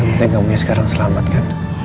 yang penting kamu ya sekarang selamatkan